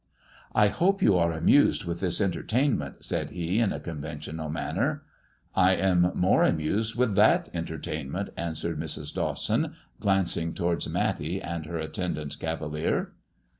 " I hope you are amused with this entertainment," said he, in a conventional manner. *^ I am more amused with that entertainment," answered Mrs. Dawson, glancing towards Matty and her attendant cavalier.